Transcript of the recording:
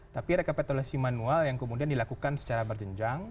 tapi rekapitulasi manual yang kemudian dilakukan secara berjenjang